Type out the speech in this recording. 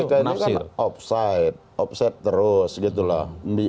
ini kan kpk ini kan offside offside terus gitu lah